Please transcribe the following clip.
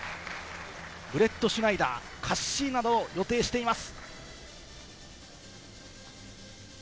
ブレットシュナイダー、カッシーナなどを予定しています。